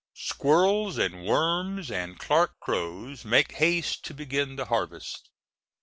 Squirrels, and worms, and Clarke crows, make haste to begin the harvest.